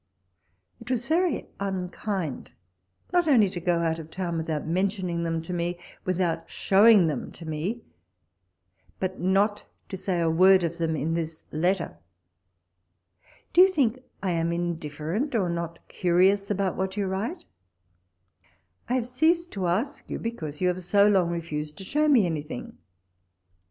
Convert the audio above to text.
It was very unkind, not only to go out of town without mentioning them to me, without showing them to me, but not to say a word of them in this letter. Do you think I am indifferent, or not curious about what you write 1 I have ceased to ask you, because you have so long refused to show me anything.